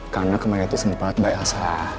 karena kemarin itu sempat mbak elsa